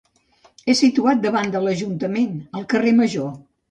És situat davant de l'Ajuntament al carrer Major.